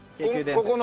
ここの？